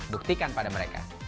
buktikan pada mereka